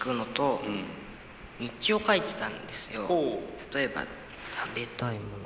例えば食べたいものとか。